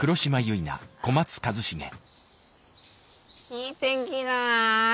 いい天気だなあ。